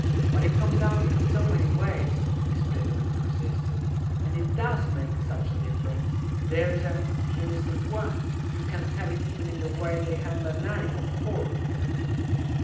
"But it comes out in so many ways," Miss Plinlimmon persisted; "and it does make such a difference! There's a je ne sais quoi. You can tell it even in the way they handle a knife and fork!"